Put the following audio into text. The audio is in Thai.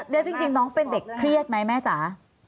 แล้วจริงน้องเป็นเด็กเครียดไหมแม่จ๋า